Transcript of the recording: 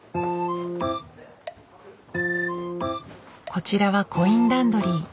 こちらはコインランドリー。